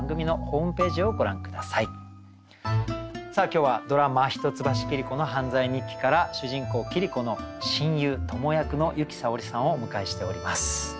今日はドラマ「一橋桐子の犯罪日記」から主人公桐子の親友トモ役の由紀さおりさんをお迎えしております。